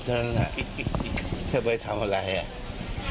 ท่านบิ๊กป้อมนี่ใช่ค่ะใช่ค่ะใช่ค่ะใช่ค่ะก็ดูให้สงบเท่านั้นค่ะ